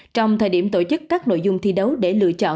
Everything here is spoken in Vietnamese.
trong thời điểm tổ chức các nội dung thi đấu để lựa chọn